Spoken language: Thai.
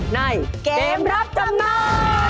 ในเกมรับจำนำ